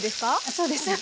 そうです。